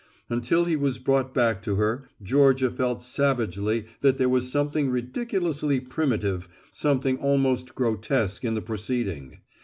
Until he was brought back to her, Georgia felt savagely that there was something ridiculously primitive, something almost grotesque in the proceeding.